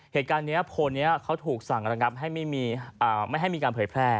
เหตุการณ์เนี้ยโพลเนี้ยเขาถูกสั่งระงับให้ไม่มีอ่าไม่ให้มีการเผยแพร่